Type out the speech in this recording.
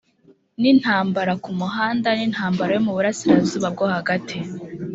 nintambara kumuhanda nintambara yo muburasirazuba bwo hagati